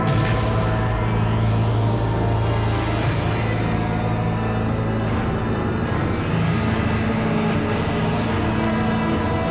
aku sudah berusaha untuk menghentikanmu